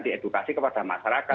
diedukasi kepada masyarakat